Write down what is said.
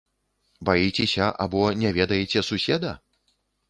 Баіцеся або не ведаеце суседа?